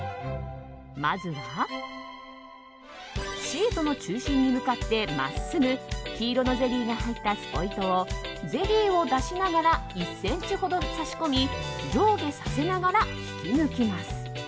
シートの中心に向かって真っすぐ黄色のゼリーが入ったスポイトをゼリーを出しながら１ｃｍほど差し込み上下させながら引き抜きます。